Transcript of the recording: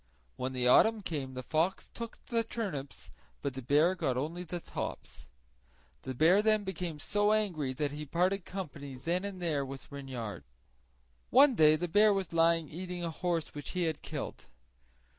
When the autumn came the fox took the turnips, but the bear only got the tops. The bear then became so angry that he parted company then and there with Reynard. One day the bear was lying eating a horse which he had killed.